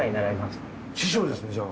師匠ですねじゃあ。